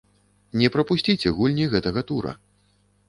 Не прапусціце гульні гэтага тура.